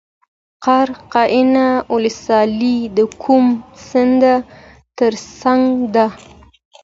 قرقین ولسوالۍ د کوم سیند تر څنګ ده؟